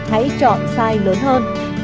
hãy chọn size lớn hơn